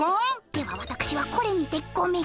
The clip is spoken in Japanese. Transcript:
ではわたくしはこれにてごめん！